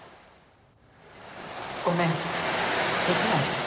ごめんできない。